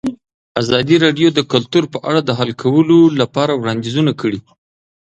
ازادي راډیو د کلتور په اړه د حل کولو لپاره وړاندیزونه کړي.